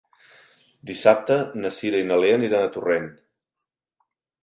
Dissabte na Cira i na Lea aniran a Torrent.